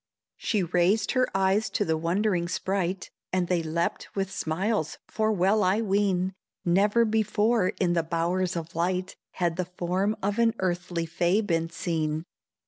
She raised her eyes to the wondering sprite, And they leapt with smiles, for well I ween Never before in the bowers of light Had the form of an earthly Fay been seen.